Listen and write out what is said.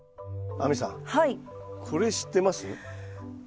亜美さんこれ知ってます？